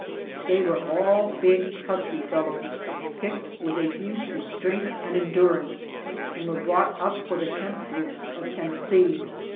They were all big husky fellows, picked with a view to strength and endurance and were brought up for the hemp works of Tennessee.